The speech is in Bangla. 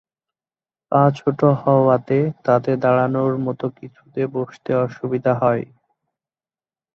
পা ছোট হওয়ায় তাতে দাঁড়ের মতো কিছুতে বসতে অসুবিধা হয়।